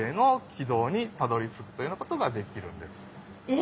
え！